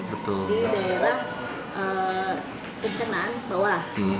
di daerah kesenaan bawah